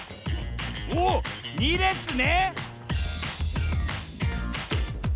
おっ２れつね！